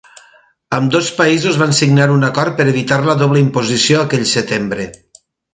Ambdós països van signar un acord per evitar la doble imposició aquell setembre.